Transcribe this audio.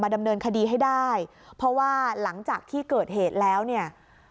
ดำเนินคดีให้ได้เพราะว่าหลังจากที่เกิดเหตุแล้วเนี่ย